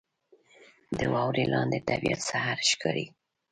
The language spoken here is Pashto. • د واورې لاندې طبیعت سحر ښکاري.